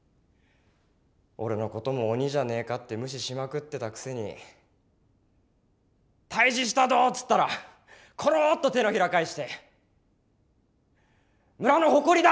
俺のことも鬼じゃねえかって無視しまくってたくせに「退治したど」っつったらころっと手のひら返して「村の誇りだ！